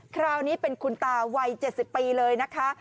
คราวนี้เป็นคุณตาวัย๗๐ปีเลยนะคะ